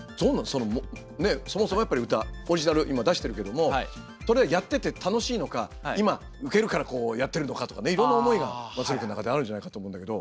そのそもそもやっぱり歌オリジナル今出してるけどもそれはやってて楽しいのか今ウケるからやってるのかとかねいろんな思いが松浦君の中であるんじゃないかと思うんだけど。